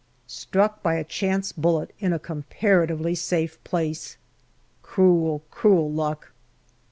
Struck by a chance bullet in a comparatively safe place ! Cruel, cruel luck